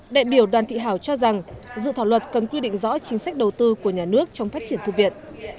đại biểu đoàn thị hảo cho rằng dự thảo luật cần quy định rõ chính sách đầu tư của nhà nước trong phát triển thư viện